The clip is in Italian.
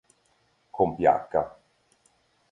Con Ph.